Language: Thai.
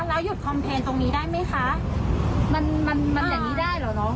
แล้วหยุดคอมเพลนตรงนี้ได้ไหมคะมันมันอย่างนี้ได้เหรอน้อง